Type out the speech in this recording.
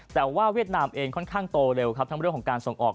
แต่ว่าเวียดนามเองค่อนข้างโตเร็วครับทั้งเรื่องของการส่งออก